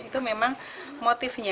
itu memang motifnya